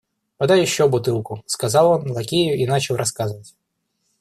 Подай еще бутылку, — сказал он лакею и начал рассказывать.